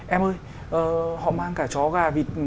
em ơi họ mang cả chó gà vịt